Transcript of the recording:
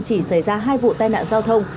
chỉ xảy ra hai vụ tai nạn giao thông